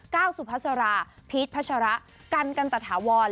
ก้าวสุพัสราพีชพัชระกันกันตะถาวร